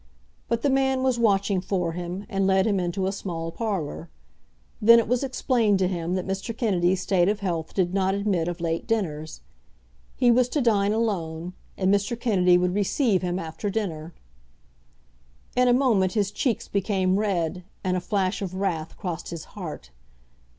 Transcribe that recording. But the man was watching for him, and led him into a small parlour. Then it was explained to him that Mr. Kennedy's state of health did not admit of late dinners. He was to dine alone, and Mr. Kennedy would receive him after dinner. In a moment his cheeks became red, and a flash of wrath crossed his heart.